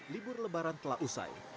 libur lebaran telah usai